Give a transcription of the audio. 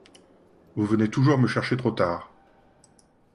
Vous venez toujours me chercher trop tard…